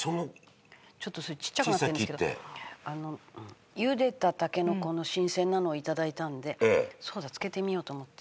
ちょっとそれちっちゃくなってるんですけどゆでたタケノコの新鮮なのを頂いたのでそうだ漬けてみようと思って。